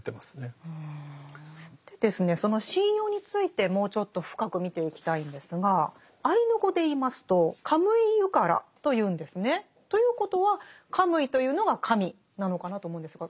その神謡についてもうちょっと深く見ていきたいんですがアイヌ語で言いますと「カムイユカラ」と言うんですね。ということは「カムイ」というのが「神」なのかなと思うんですが。